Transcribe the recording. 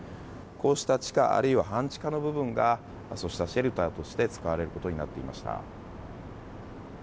こうした地下あるいは半地下の部分がそうしたシェルターとして使われることになっていました。